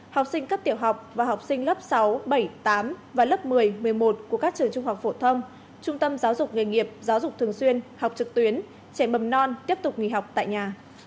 học sinh cấp tiểu học và học sinh lớp sáu bảy tám và lớp một mươi một mươi một của các trường trung học phổ thông trung tâm giáo dục nghề nghiệp giáo dục thường xuyên học trực tuyến trẻ mầm non tiếp tục nghỉ học tại nhà